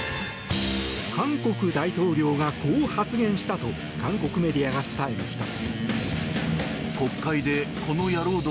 韓国大統領が、こう発言したと韓国メディアが伝えました。